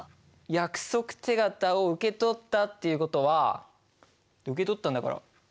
約束手形を受け取ったっていう事は受け取ったんだから受取手形？